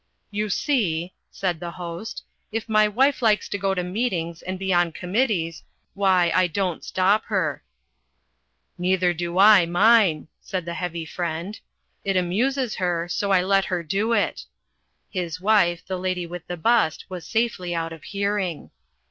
"You see," said the Host, "if my wife likes to go to meetings and be on committees, why, I don't stop her." "Neither do I mine," said the Heavy Friend. "It amuses her, so I let her do it." His wife, the Lady with the Bust, was safely out of hearing.